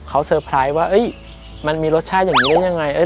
เขาเซอร์ไพรส์ว่ามันมีรสชาติอย่างนี้ได้ยังไง